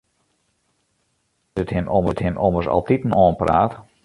Sa is it him ommers altiten oanpraat.